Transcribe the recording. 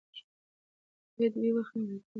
که قید وي نو وخت نه ورکېږي.